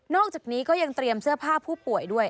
อกจากนี้ก็ยังเตรียมเสื้อผ้าผู้ป่วยด้วย